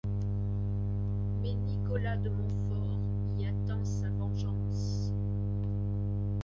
Mais Nicolas de Montfort y attend sa vengeance.